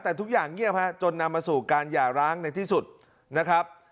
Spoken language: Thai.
แต่ทุกอย่างเงียบฮะจนนำมาสู่การหย่าร้างในที่สุดนะครับ